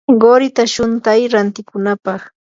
qurita shuntay rantikunapaq.